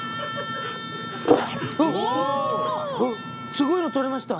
すごいの撮れました！